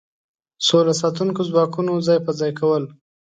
سوله ساتونکو ځواکونو ځای په ځای کول.